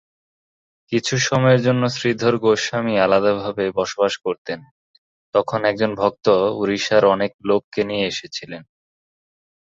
কিছু সময়ের জন্য শ্রীধর গোস্বামী আলাদাভাবে বসবাস করতেন, তখন একজন ভক্ত ওড়িশার অনেক লোককে নিয়ে এসেছিলেন।